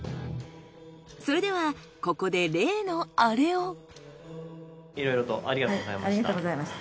それではここでいろいろとありがとうございました。